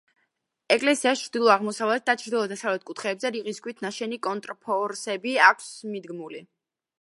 ეკლესიას ჩრდილო-აღმოსავლეთ და ჩრდილო-დასავლეთ კუთხეებზე რიყის ქვით ნაშენი კონტრფორსები აქვს მიდგმული.